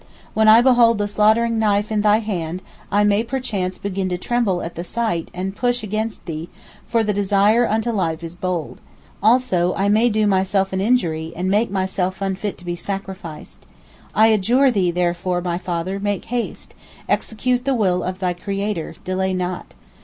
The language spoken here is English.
When I behold the slaughtering knife in thy hand, I may perchance begin to tremble at the sight and push against thee, for the desire unto life is bold. Also I may do myself an injury and make myself unfit to be sacrificed. I adjure thee, therefore, my father, make haste, execute the will of thy Creator, delay not.